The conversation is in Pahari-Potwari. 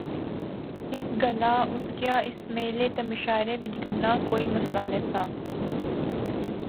اس گلاہ اس کیا اس میلے تہ مشاعرے وچ گینا کوئی مسئلہ نہسا